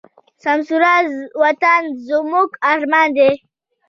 سمسور وطن زموږ ارمان دی.